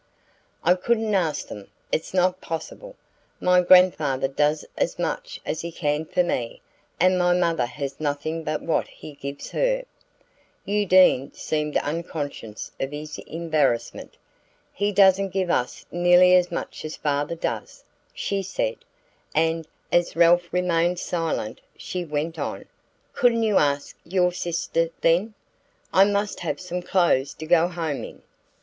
"I couldn't ask them it's not possible. My grandfather does as much as he can for me, and my mother has nothing but what he gives her." Undine seemed unconscious of his embarrassment. "He doesn't give us nearly as much as father does," she said; and, as Ralph remained silent, she went on: "Couldn't you ask your sister, then? I must have some clothes to go home in."